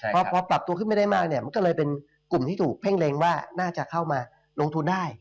พอปรับตัวขึ้นไม่ได้มากเนี่ยมันก็เลยเป็นกลุ่มที่ถูกเพ่งเล็งว่าน่าจะเข้ามาลงทุนได้